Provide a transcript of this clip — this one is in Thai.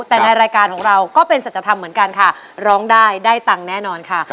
แต่ในรายการของเราก็เป็นสัจธรรมเหมือนกันค่ะร้องได้ได้ตังค์แน่นอนค่ะ